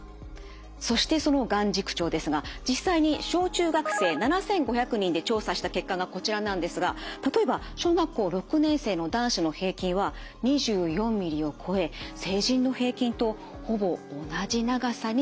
そしてその眼軸長ですが実際に小中学生７，５００人で調査した結果がこちらなんですが例えば小学校６年生の男子の平均は２４ミリを超え成人の平均とほぼ同じ長さになっていました。